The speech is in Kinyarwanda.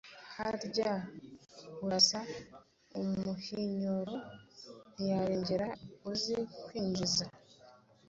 harya urasa umuhinyoro ntiyarengera uzi kwinjiza?”